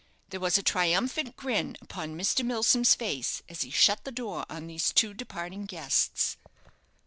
There was a triumphant grin upon Mr. Milsom's face as he shut the door on these two departing guests.